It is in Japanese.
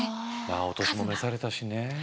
お年も召されたしね。